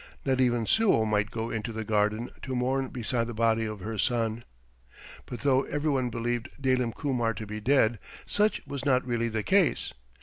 Not even Suo might go into the garden to mourn beside the body of her son. But though every one believed Dalim Kumar to be dead, such was not really the case.